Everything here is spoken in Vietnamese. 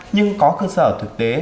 nhưng có cơ sở thực tế